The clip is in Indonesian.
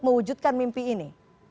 mewujudkan mimpi ini